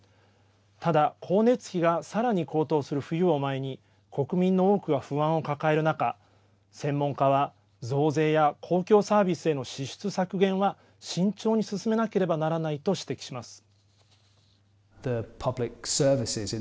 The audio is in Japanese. ただ光熱費がさらに高騰する冬を前に国民の多くが不安を抱える中専門家は、増税や公共サービスへの支出削減は慎重に進めなければならないと指摘します。